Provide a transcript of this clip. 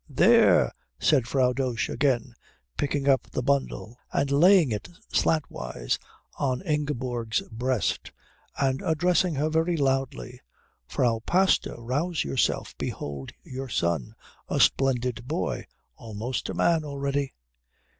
"There!" said Frau Dosch again, picking up the bundle and laying it slantwise on Ingeborg's breast and addressing her very loudly. "Frau Pastor rouse yourself behold your son a splendid boy almost a man already."